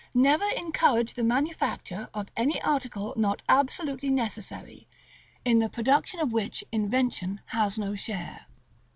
Never encourage the manufacture of any article not absolutely necessary, in the production of which Invention has no share.